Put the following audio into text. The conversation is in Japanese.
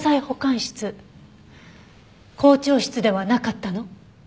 校長室ではなかったの？